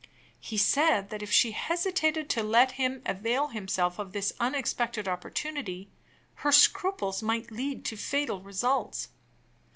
He said that if she hesitated to let him avail himself of this unexpected opportunity, her scruples might lead to fatal results.